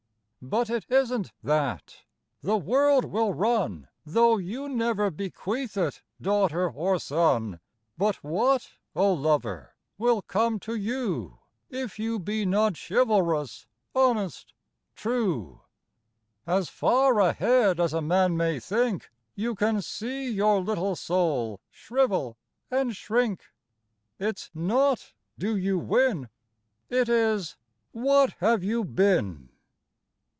But it isn't that. The world will run Though you never bequeath it daughter or son, But what, O lover, will come to you If you be not chivalrous, honest, true? As far ahead as a man may think, You can see your little soul shrivel and shrink. It's not, "Do you win?" It is, "What have you been?"